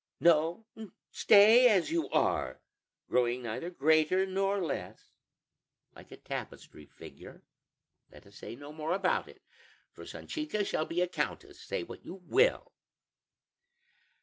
No, stay as you are, growing neither greater nor less, like a tapestry figure. Let us say no more about it, for Sanchica shall be a countess, say what you will."